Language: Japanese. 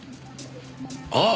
あっ！